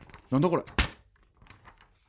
これ。